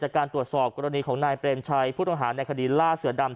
การตรวจสอบกรณีของนายเปรมชัยผู้ต้องหาในคดีล่าเสือดำ